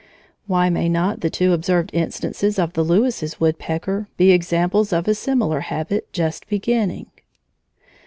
Why may not the two observed instances of the Lewis's woodpecker be examples of a similar habit just beginning?